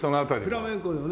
フラメンコでもね